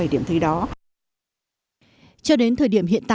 đúng cách và đúng cách